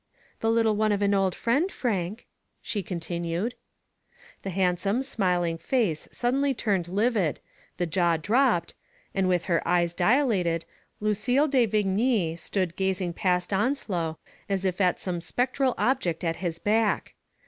The little one of an old friend, Frank," she continued. The handsome, smiling face suddenly turned livid, the jaw dropped, and with her eyes dilated, Lucille de Vigny stood gazing past Onslow as if at some spectral object at his back.